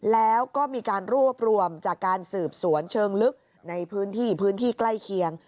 แล้วก็มีการรวบรวมจากการสืบสวนเชิงลึกในพื้นที่พื้นที่ใกล้เคียง